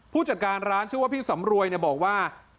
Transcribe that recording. ผู้จัดการร้านชื่อว่าพี่สำรวยบอกว่า